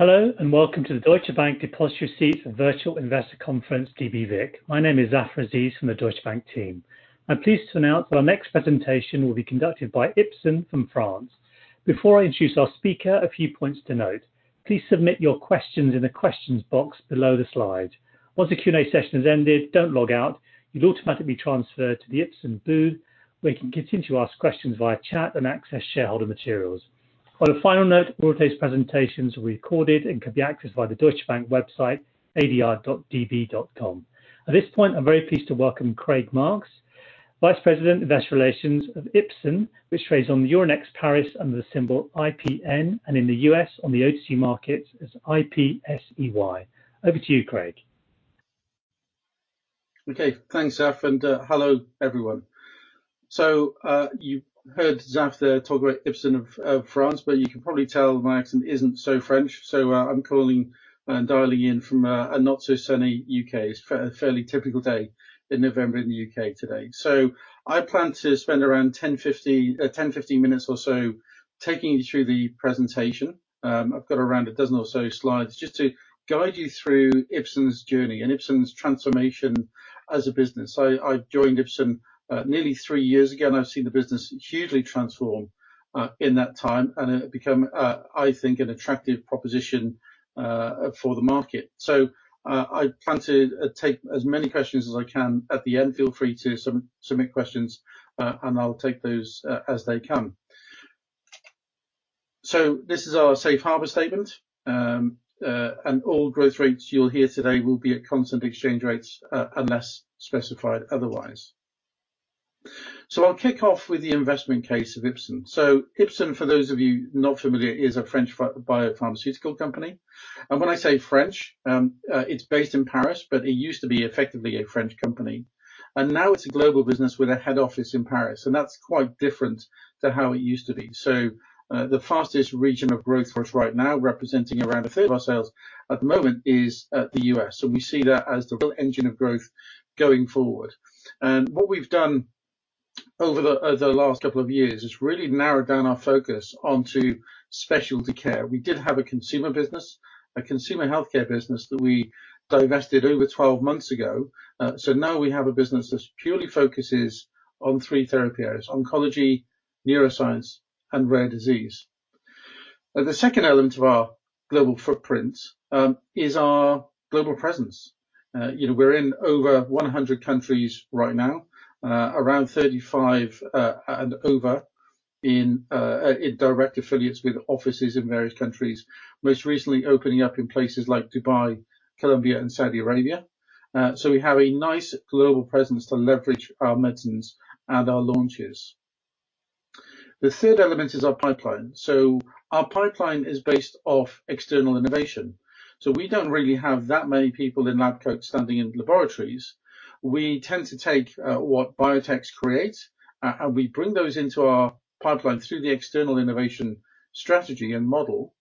Hello, and welcome to the Deutsche Bank Depositary Receipts Virtual Investor Conference, DBVIC. My name is Zafar Aziz from the Deutsche Bank team. I'm pleased to announce that our next presentation will be conducted by Ipsen from France. Before I introduce our speaker, a few points to note. Please submit your questions in the Questions box below the slide. Once the Q&A session has ended, don't log out. You'll automatically be transferred to the Ipsen booth, where you can continue to ask questions via chat and access shareholder materials. On a final note, all today's presentations are recorded and can be accessed via the Deutsche Bank website, adr.db.com. At this point, I'm very pleased to welcome Craig Marks, Vice President, Investor Relations of Ipsen, which trades on the Euronext Paris under the symbol IPN, and in the U.S. on the OTC Markets as IPSEY. Over to you, Craig. Okay. Thanks, Zaf, and hello, everyone. You heard Zaf there talk about Ipsen of France, but you can probably tell my accent isn't so French. I'm calling and dialing in from a not-so-sunny U.K. It's a fairly typical day in November in the U.K. today. I plan to spend around 10-15 minutes or so taking you through the presentation. I've got around a dozen or so slides just to guide you through Ipsen's journey and Ipsen's transformation as a business. I joined Ipsen nearly three years ago, and I've seen the business hugely transform in that time, and it become I think an attractive proposition for the market. I plan to take as many questions as I can at the end. Feel free to submit questions, and I'll take those as they come. This is our safe harbor statement. All growth rates you'll hear today will be at constant exchange rates, unless specified otherwise. I'll kick off with the investment case of Ipsen. Ipsen, for those of you not familiar, is a French biopharmaceutical company. When I say French, it's based in Paris, but it used to be effectively a French company. Now it's a global business with a head office in Paris, and that's quite different to how it used to be. The fastest region of growth for us right now, representing around a third of our sales at the moment, is the U.S., and we see that as the real engine of growth going forward. What we've done over the last couple of years is really narrowed down our focus onto specialty care. We did have a consumer business, a consumer healthcare business that we divested over 12 months ago. So now we have a business that purely focuses on three therapy areas: oncology, neuroscience, and rare disease. The second element of our global footprint is our global presence. You know, we're in over 100 countries right now, around 35, and over 30 in direct affiliates with offices in various countries, most recently opening up in places like Dubai, Colombia, and Saudi Arabia. So we have a nice global presence to leverage our medicines and our launches. The third element is our pipeline. So our pipeline is based off external innovation, so we don't really have that many people in lab coats standing in laboratories. We tend to take what biotechs create and we bring those into our pipeline through the external innovation strategy and model.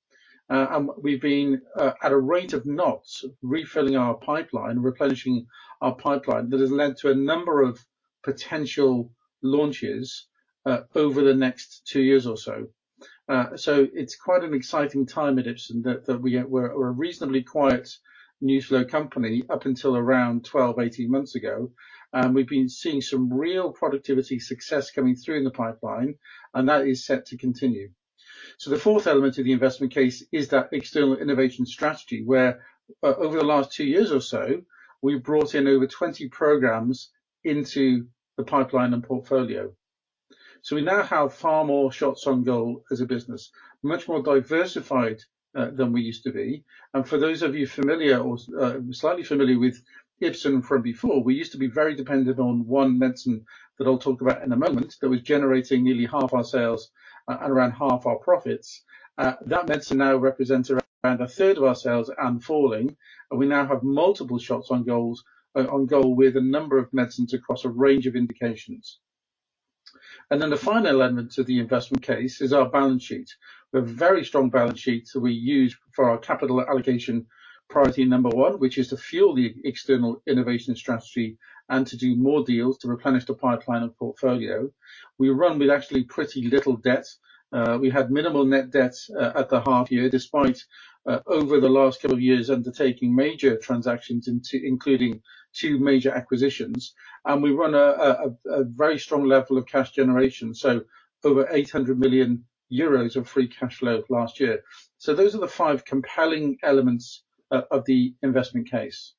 And we've been at a rate of knots refilling our pipeline, replenishing our pipeline. That has led to a number of potential launches over the next two years or so. So it's quite an exciting time at Ipsen that we were a reasonably quiet news flow company up until around 12 to 18 months ago, and we've been seeing some real productivity success coming through in the pipeline, and that is set to continue. So the fourth element of the investment case is that external innovation strategy, where, over the last two years or so, we've brought in over 20 programs into the pipeline and portfolio. So we now have far more shots on goal as a business, much more diversified, than we used to be. And for those of you familiar or, slightly familiar with Ipsen from before, we used to be very dependent on one medicine, that I'll talk about in a moment, that was generating nearly half our sales and around half our profits. That medicine now represents around a third of our sales and falling, and we now have multiple shots on goals, on goal with a number of medicines across a range of indications. And then the final element to the investment case is our balance sheet. We have a very strong balance sheet, so we use for our capital allocation, priority number one, which is to fuel the external innovation strategy and to do more deals to replenish the pipeline and portfolio. We run with actually pretty little debt. We had minimal net debt at the half year, despite over the last couple of years, undertaking major transactions, including two major acquisitions. And we run a very strong level of cash generation, so over 800 million euros of free cash flow last year. So those are the five compelling elements of the investment case.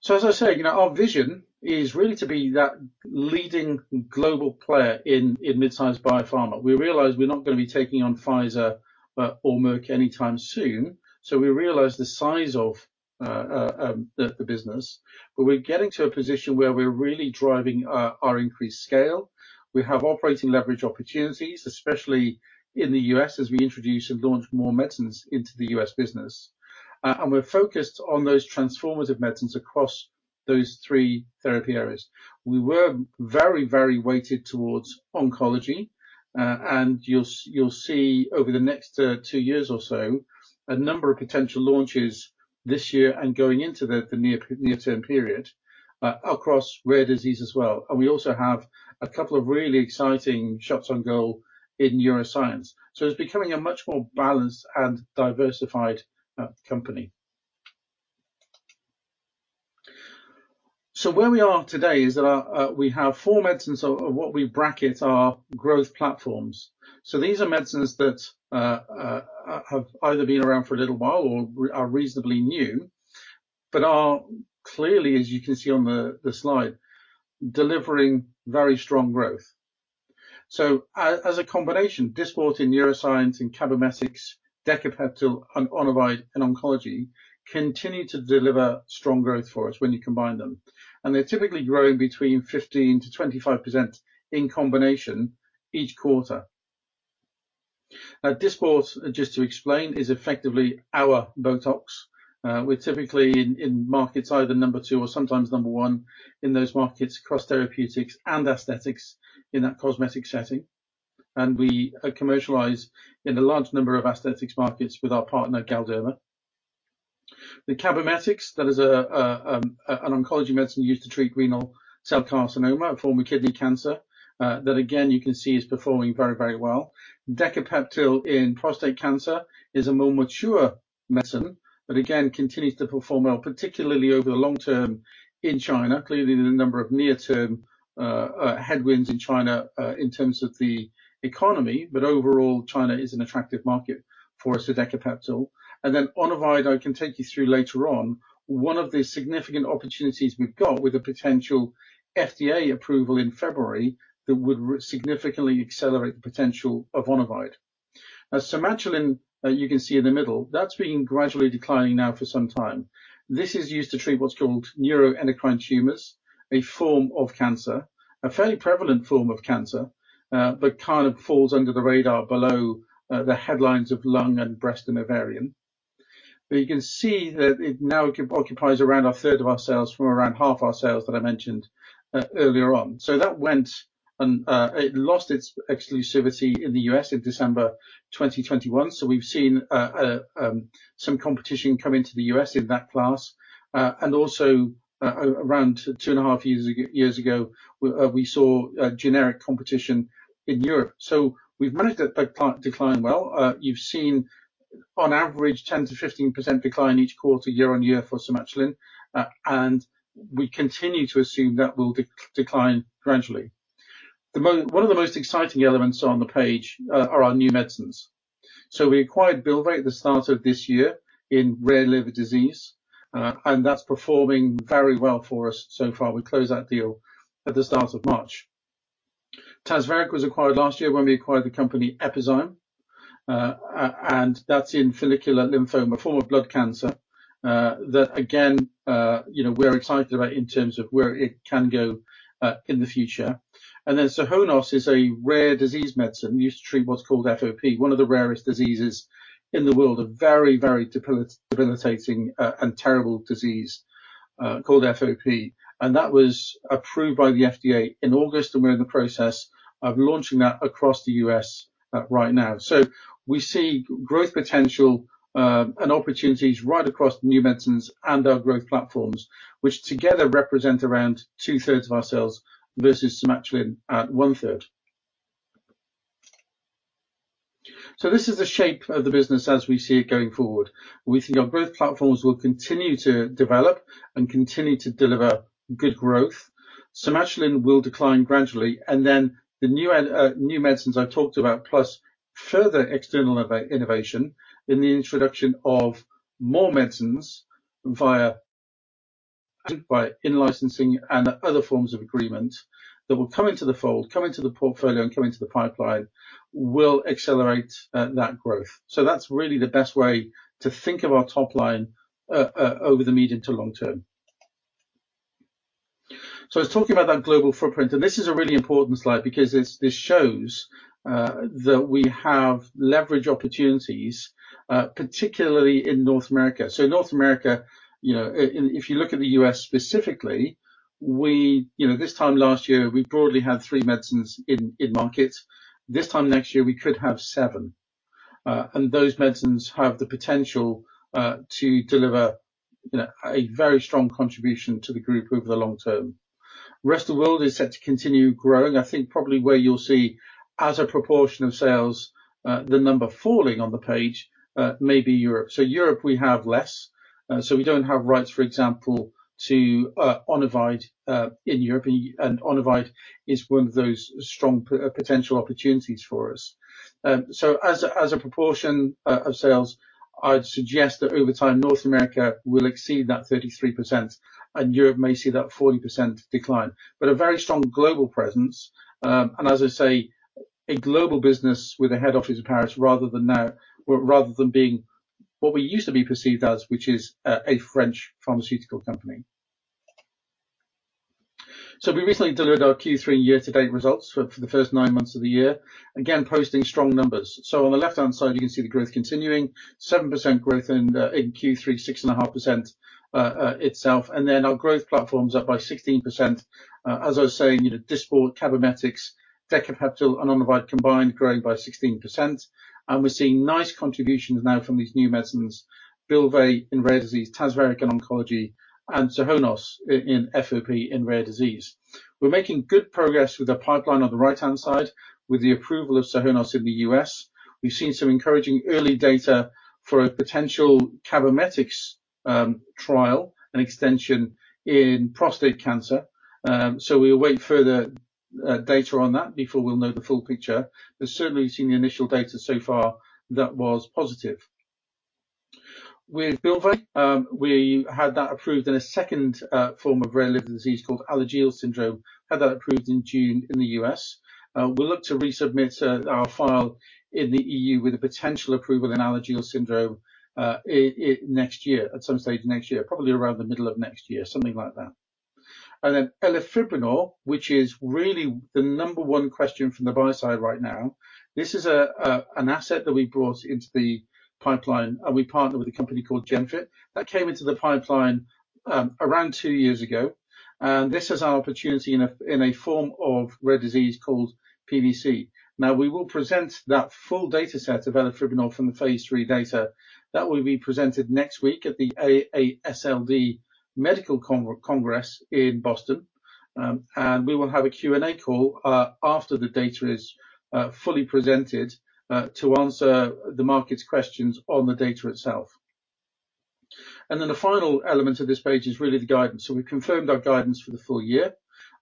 So as I say, you know, our vision is really to be that leading global player in mid-sized biopharma. We realize we're not gonna be taking on Pfizer or Merck anytime soon, so we realize the size of the business. But we're getting to a position where we're really driving our increased scale. We have operating leverage opportunities, especially in the US, as we introduce and launch more medicines into the US business. And we're focused on those transformative medicines across those three therapy areas. We were very, very weighted towards oncology, and you'll see over the next two years or so, a number of potential launches this year and going into the near-term period, across rare disease as well. And we also have a couple of really exciting shots on goal in neuroscience. So it's becoming a much more balanced and diversified company. So where we are today is that, we have four medicines or what we bracket our growth platforms. So these are medicines that have either been around for a little while or are reasonably new, but are clearly, as you can see on the slide, delivering very strong growth. So as a combination, Dysport in neuroscience and Cabometyx, Decapeptyl, and Onivyde in oncology, continue to deliver strong growth for us when you combine them. And they're typically growing between 15%-25% in combination each quarter. Dysport, just to explain, is effectively our Botox. We're typically in markets, either number two or sometimes number one in those markets, across therapeutics and aesthetics in that cosmetic setting. And we commercialize in a large number of aesthetics markets with our partner, Galderma. The Cabometyx, that is an oncology medicine used to treat renal cell carcinoma, a form of kidney cancer, that again, you can see is performing very, very well. Decapeptyl in prostate cancer is a more mature medicine, but again, continues to perform well, particularly over the long term in China. Clearly, there are a number of near-term headwinds in China, in terms of the economy, but overall, China is an attractive market for us with Decapeptyl. And then Onivyde, I can take you through later on, one of the significant opportunities we've got with a potential FDA approval in February that would significantly accelerate the potential of Onivyde. Now, Somatuline, you can see in the middle, that's been gradually declining now for some time. This is used to treat what's called neuroendocrine tumors, a form of cancer, a fairly prevalent form of cancer, but kind of falls under the radar below the headlines of lung and breast and ovarian. But you can see that it now occupies around a third of our sales, from around half our sales that I mentioned earlier on. So that went and it lost its exclusivity in the U.S. in December 2021. So we've seen some competition come into the U.S. in that class. And also, around two and a half years ago, we saw a generic competition in Europe. So we've managed that client decline well. You've seen, on average, 10%-15% decline each quarter, year-on-year for Somatuline, and we continue to assume that will decline gradually. One of the most exciting elements on the page are our new medicines. So we acquired Bylvay at the start of this year in rare liver disease, and that's performing very well for us so far. We closed that deal at the start of March. Tazverik was acquired last year when we acquired the company, Epizyme. And that's in follicular lymphoma, a form of blood cancer, that again, you know, we're excited about in terms of where it can go, in the future. And then Sohonos is a rare disease medicine used to treat what's called FOP, one of the rarest diseases in the world. A very, very debilitating, and terrible disease, called FOP, and that was approved by the FDA in August, and we're in the process of launching that across the U.S., right now. So we see growth potential and opportunities right across new medicines and our growth platforms, which together represent around two-thirds of our sales versus Somatuline at one-third. So this is the shape of the business as we see it going forward. We think our growth platforms will continue to develop and continue to deliver good growth. Somatuline will decline gradually, and then the new, new medicines I talked about, plus further external innovation in the introduction of more medicines by in-licensing and other forms of agreement, that will come into the fold, come into the portfolio, and come into the pipeline, will accelerate that growth. So that's really the best way to think of our top line over the medium to long term. So I was talking about that global footprint, and this is a really important slide because this shows that we have leverage opportunities, particularly in North America. So North America, you know, if you look at the U.S. specifically, we you know, this time last year, we broadly had three medicines in, in market. This time next year, we could have seven. And those medicines have the potential to deliver, you know, a very strong contribution to the group over the long term. The rest of the world is set to continue growing. I think probably where you'll see as a proportion of sales, the number falling on the page, may be Europe. So Europe, we have less. So we don't have rights, for example, to Onivyde in Europe, and Onivyde is one of those strong potential opportunities for us. So as a proportion of sales, I'd suggest that over time, North America will exceed that 33%, and Europe may see that 40% decline. But a very strong global presence, and as I say, a global business with a head office in Paris, rather than being what we used to be perceived as, which is a French pharmaceutical company. So we recently delivered our Q3 year-to-date results for the first nine months of the year, again, posting strong numbers. So on the left-hand side, you can see the growth continuing. 7% growth in Q3, 6.5% itself, and then our growth platforms up by 16%. As I was saying, you know, Dysport, Cabometyx, Decapeptyl, and Onivyde combined growing by 16%. And we're seeing nice contributions now from these new medicines, Bylvay in rare disease, Tazverik in oncology, and Sohonos in, in FOP in rare disease. We're making good progress with the pipeline on the right-hand side, with the approval of Sohonos in the U.S. We've seen some encouraging early data for a potential Cabometyx trial, an extension in prostate cancer. So we'll await further data on that before we'll know the full picture. But certainly, seeing the initial data so far, that was positive. With Bylvay, we had that approved in a second form of rare liver disease called Alagille syndrome, had that approved in June in the U.S. We'll look to resubmit our file in the EU with a potential approval in Alagille syndrome in next year, at some stage next year, probably around the middle of next year, something like that. And then elafibranor, which is really the number one question from the buy side right now. This is an asset that we brought into the pipeline, and we partnered with a company called Genfit. That came into the pipeline around two years ago, and this is our opportunity in a form of rare disease called PBC. Now, we will present that full dataset of elafibranor from the phase III data. That will be presented next week at the AASLD Medical Congress in Boston. We will have a Q&A call after the data is fully presented to answer the market's questions on the data itself. Then the final element of this page is really the guidance. So we've confirmed our guidance for the full year.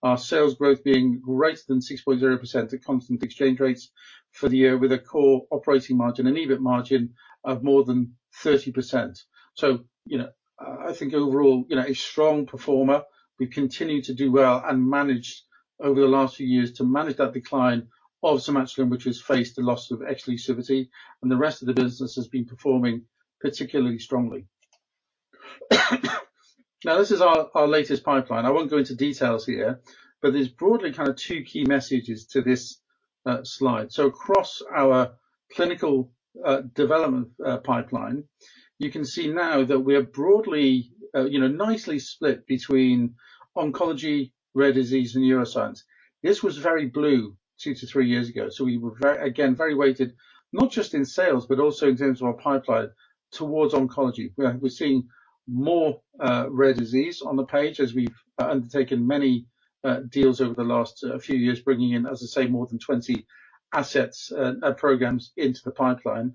Our sales growth being greater than 6.0% at constant exchange rates for the year, with a core operating margin and EBIT margin of more than 30%. So, you know, I think overall, you know, a strong performer. We continue to do well and manage over the last few years to manage that decline of Somatuline, which has faced the loss of exclusivity, and the rest of the business has been performing particularly strongly. Now, this is our latest pipeline. I won't go into details here, but there's broadly kind of two key messages to this slide. Across our clinical development pipeline, you can see now that we are broadly, you know, nicely split between oncology, rare disease, and neuroscience. This was very blue two to three years ago, so we were very, again, very weighted, not just in sales, but also in terms of our pipeline towards oncology. We're seeing more rare disease on the page as we've undertaken many deals over the last few years, bringing in, as I say, more than 20 assets programs into the pipeline.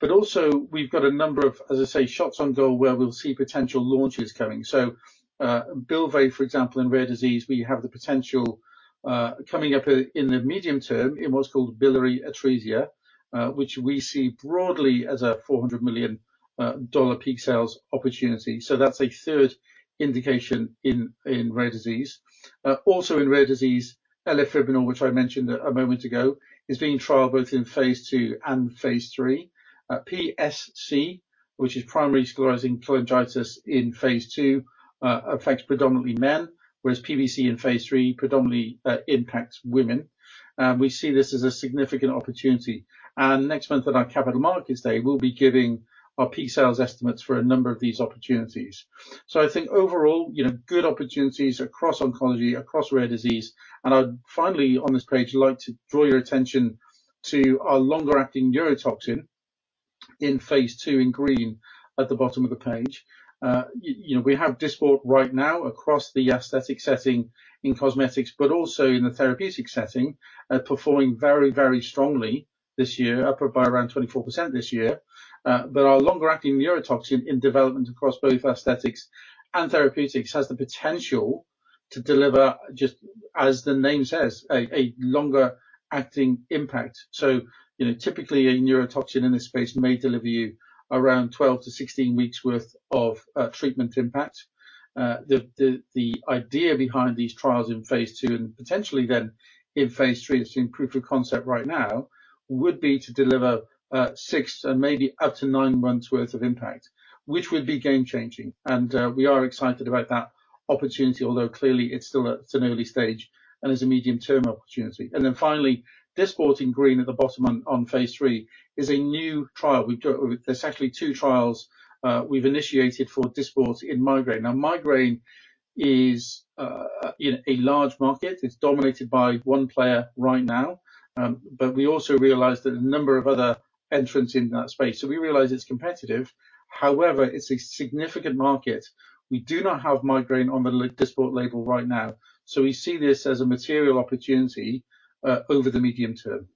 But also we've got a number of, as I say, shots on goal where we'll see potential launches coming. So, Bylvay, for example, in rare disease, we have the potential, coming up in the medium term in what's called biliary atresia, which we see broadly as a $400 million peak sales opportunity. So that's a third indication in rare disease. Also in rare disease, elafibranor, which I mentioned a moment ago, is being trialed both in phase II and phase III. PSC, which is primary sclerosing cholangitis in phase II, affects predominantly men, whereas PBC in phase III predominantly impacts women. And we see this as a significant opportunity. And next month, at our Capital Markets Day, we'll be giving our peak sales estimates for a number of these opportunities. So I think overall, you know, good opportunities across oncology, across rare disease. I'd finally, on this page, like to draw your attention to our longer-acting neurotoxin in phase II, in green, at the bottom of the page. You know, we have Dysport right now across the aesthetic setting in cosmetics, but also in the therapeutic setting, performing very, very strongly this year, up by around 24% this year. But our longer-acting neurotoxin in development across both aesthetics and therapeutics has the potential to deliver, just as the name says, a longer-acting impact. So, you know, typically, a neurotoxin in this space may deliver you around 12-16 weeks worth of treatment impact. The idea behind these trials in phase II and potentially then in phase III, it's in proof of concept right now, would be to deliver six and maybe up to nine months worth of impact, which would be game-changing. We are excited about that opportunity, although clearly it's still at an early stage and is a medium-term opportunity. Then finally, Dysport in green at the bottom on phase III is a new trial. There's actually two trials we've initiated for Dysport in migraine. Now, migraine is you know, a large market. It's dominated by one player right now, but we also realize there are a number of other entrants in that space, so we realize it's competitive. However, it's a significant market. We do not have migraine on the Dysport label right now, so we see this as a material opportunity over the medium term.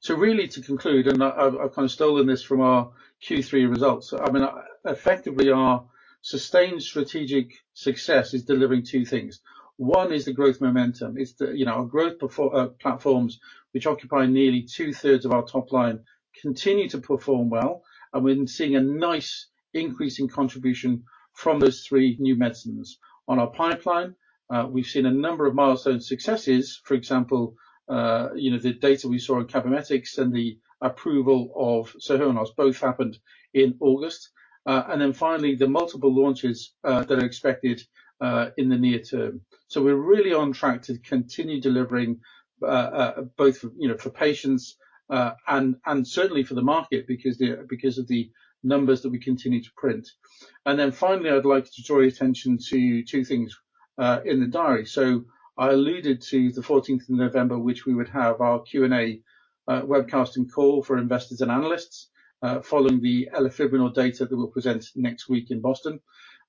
So really, to conclude, and I, I've kind of stolen this from our Q3 results. I mean, effectively, our sustained strategic success is delivering two things. One is the growth momentum. It's the, you know, our growth platforms, which occupy nearly two-thirds of our top line, continue to perform well, and we're seeing a nice increase in contribution from those three new medicines. On our pipeline, we've seen a number of milestone successes. For example, you know, the data we saw on Cabometyx and the approval of Sohonos both happened in August. And then finally, the multiple launches that are expected in the near term. So we're really on track to continue delivering, both, you know, for patients, and, and certainly for the market, because the, because of the numbers that we continue to print. And then finally, I'd like to draw your attention to two things, in the diary. So I alluded to the fourteenth of November, which we would have our Q&A, webcast and call for investors and analysts, following the elafibranor data that we'll present next week in Boston.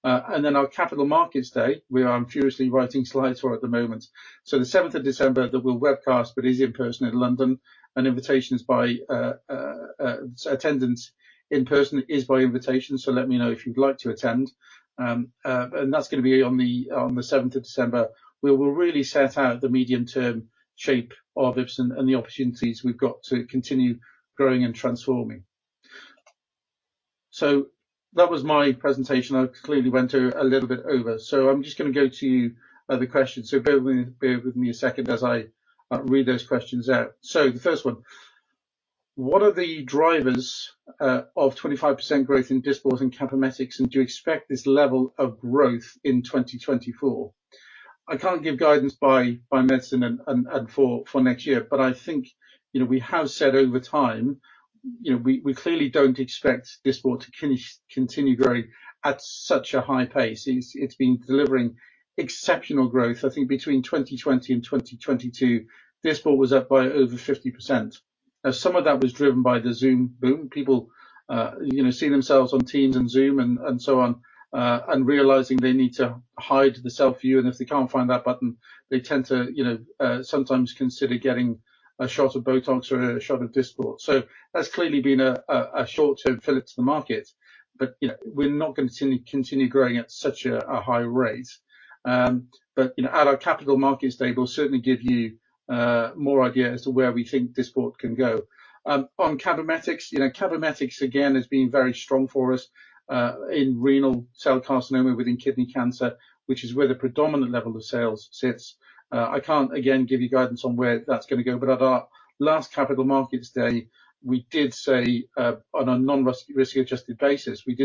And then our Capital Markets Day, we are furiously writing slides for at the moment. So the seventh of December, there will webcast, but is in person in London, and invitations by, so attendance in person is by invitation, so let me know if you'd like to attend. And that's gonna be on the, on the seventh of December. We will really set out the medium-term shape of Ipsen and the opportunities we've got to continue growing and transforming. So that was my presentation. I clearly went a little bit over, so I'm just gonna go to the questions. So bear with me, bear with me a second as I read those questions out. So the first one: What are the drivers of 25% growth in Dysport and Cabometyx, and do you expect this level of growth in 2024? I can't give guidance by medicine and for next year, but I think, you know, we have said over time, you know, we clearly don't expect Dysport to continue growing at such a high pace. It's been delivering exceptional growth. I think between 2020 and 2022, Dysport was up by over 50%. Now, some of that was driven by the Zoom boom. People, you know, see themselves on Teams and Zoom and, and so on, and realizing they need to hide the self-view, and if they can't find that button, they tend to, you know, sometimes consider getting a shot of Botox or a shot of Dysport. So that's clearly been a short-term fillip to the market, but, you know, we're not gonna continue growing at such a high rate. But, you know, at our Capital Markets Day, we'll certainly give you more idea as to where we think Dysport can go. On Cabometyx, you know, Cabometyx, again, has been very strong for us in renal cell carcinoma within kidney cancer, which is where the predominant level of sales sits. I can't, again, give you guidance on where that's gonna go, but at our last Capital Markets Day, on a risk-adjusted basis, we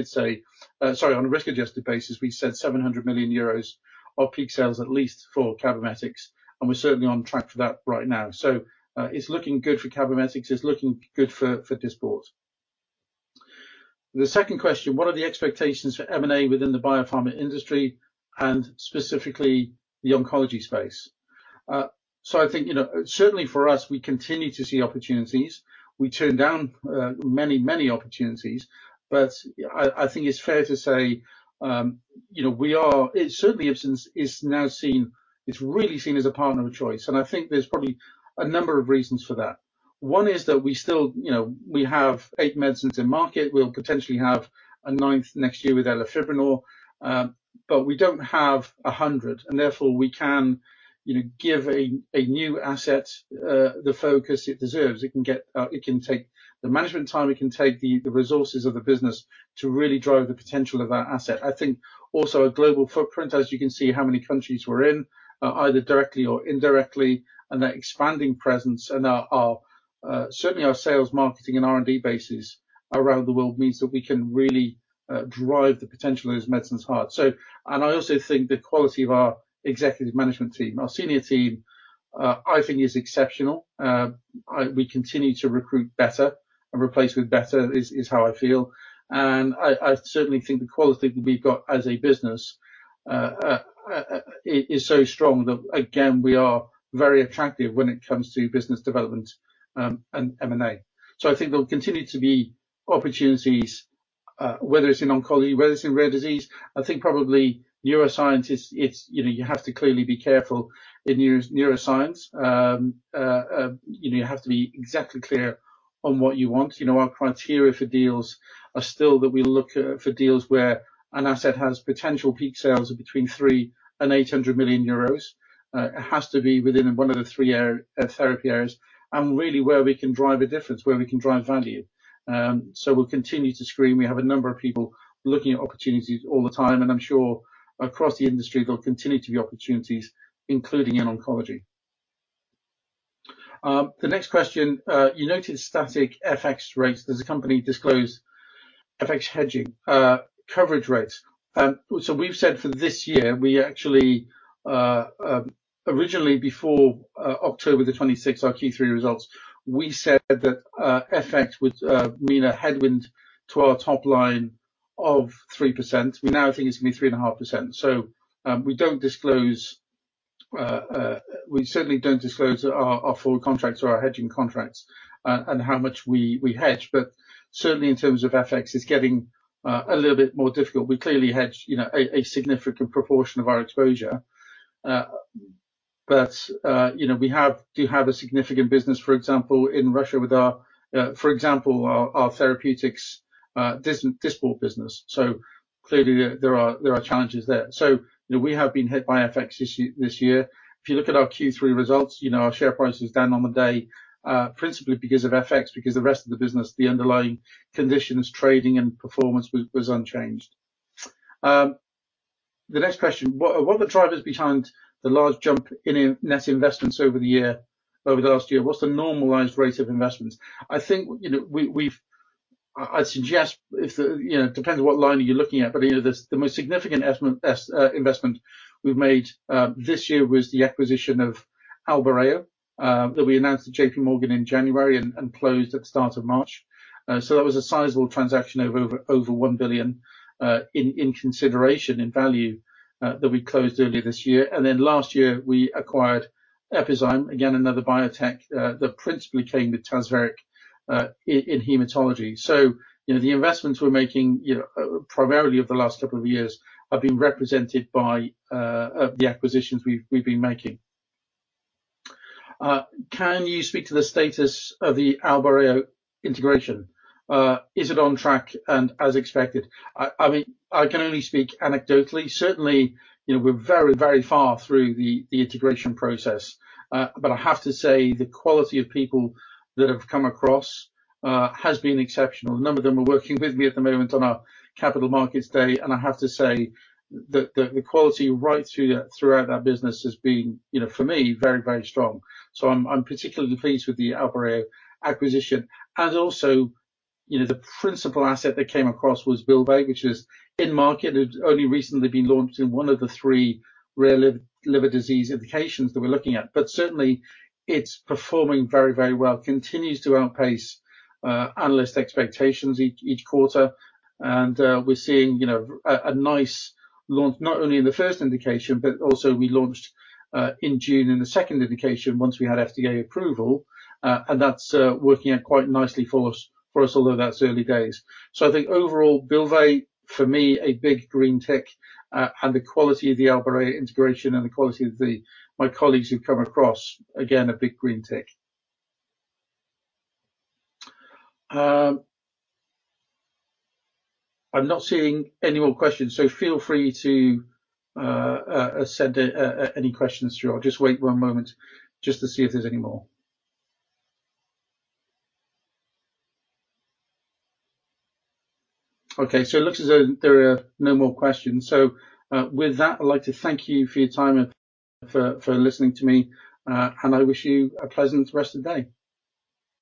said 700 million euros of peak sales, at least, for Cabometyx, and we're certainly on track for that right now. So, it's looking good for Cabometyx. It's looking good for Dysport. The second question: What are the expectations for M&A within the biopharma industry, and specifically the oncology space? So I think, you know, certainly for us, we continue to see opportunities. We turn down many, many opportunities, but I think it's fair to say, you know, we are. It's certainly Ipsen is now seen. It's really seen as a partner of choice, and I think there's probably a number of reasons for that. One is that we still, you know, we have eight medicines in market. We'll potentially have a ninth next year with elafibranor, but we don't have 100, and therefore, we can, you know, give a new asset the focus it deserves. It can take the management time, it can take the resources of the business to really drive the potential of that asset. I think also a global footprint, as you can see, how many countries we're in, either directly or indirectly, and that expanding presence and our certainly our sales, marketing, and R&D bases around the world means that we can really drive the potential of those medicines hard. And I also think the quality of our executive management team, our senior team, I think is exceptional. We continue to recruit better and replace with better, is how I feel, and I certainly think the quality we've got as a business is so strong that, again, we are very attractive when it comes to business development and M&A. So I think there'll continue to be opportunities, whether it's in oncology, whether it's in rare disease. I think probably neuroscience is, you know, you have to clearly be careful in neuroscience. You know, you have to be exactly clear on what you want. You know, our criteria for deals are still that we look for deals where an asset has potential peak sales of between 300 million and 800 million euros. It has to be within one of the three are therapy areas, and really where we can drive a difference, where we can drive value. So we'll continue to screen. We have a number of people looking at opportunities all the time, and I'm sure across the industry, there'll continue to be opportunities, including in oncology. The next question: You noted static FX rates. Does the company disclose FX hedging coverage rates? So we've said for this year, we actually originally, before 26th October, our Q3 results, we said that FX would mean a headwind to our top line of 3%. We now think it's going to be 3.5%. So we don't disclose. We certainly don't disclose our full contracts or our hedging contracts, and how much we hedge, but certainly, in terms of FX, it's getting a little bit more difficult. We clearly hedge, you know, a significant proportion of our exposure. But, you know, we do have a significant business, for example, in Russia, with our, for example, our therapeutics Dysport business. So clearly, there are challenges there. So, you know, we have been hit by FX this year. If you look at our Q3 results, you know, our share price is down on the day, principally because of FX, because the rest of the business, the underlying conditions, trading, and performance was unchanged. The next question: What, what are the drivers behind the large jump in net investments over the year, over the last year? What's the normalized rate of investments? I think, you know, we, we've. I suggest if the, you know, it depends on what line are you looking at, but, you know, the most significant investment we've made this year was the acquisition of Albireo that we announced at JPMorgan in January and closed at the start of March. So that was a sizable transaction of over 1 billion in consideration, in value, that we closed earlier this year. And then last year, we acquired Epizyme, again, another biotech that principally came with Tazverik in hematology. So, you know, the investments we're making, you know, primarily over the last couple of years, have been represented by the acquisitions we've been making. Can you speak to the status of the Albireo integration? Is it on track and as expected? I mean, I can only speak anecdotally. Certainly, you know, we're very, very far through the integration process. But I have to say, the quality of people that have come across has been exceptional. A number of them are working with me at the moment on our Capital Markets Day, and I have to say that the quality right through that throughout that business has been, you know, for me, very, very strong. So I'm particularly pleased with the Albireo acquisition. And also, you know, the principal asset that came across was Bylvay, which is in market, it's only recently been launched in one of the three rare liver disease indications that we're looking at. But certainly, it's performing very, very well. It continues to outpace analyst expectations each quarter. And we're seeing, you know, a nice launch, not only in the first indication, but also we launched in June in the second indication once we had FDA approval. And that's working out quite nicely for us, although that's early days. So I think overall, Bylvay, for me, a big green tick, and the quality of the Albireo integration and the quality of my colleagues who've come across, again, a big green tick. I'm not seeing any more questions, so feel free to send any questions through. I'll just wait one moment just to see if there's any more. Okay, so it looks as though there are no more questions. So, with that, I'd like to thank you for your time and for listening to me, and I wish you a pleasant rest of the day.